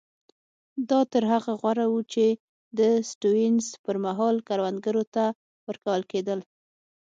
دا تر هغه غوره وو چې د سټیونز پر مهال کروندګرو ته ورکول کېدل.